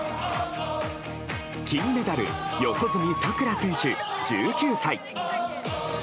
金メダル四十住さくら選手、１９歳。